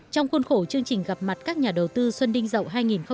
trong khuôn khổ chương trình gặp mặt các nhà đầu tư xuân đinh dậu hai nghìn một mươi bảy